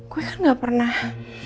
gue kan nggak pernah